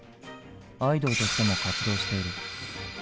アイドルとしても活動している。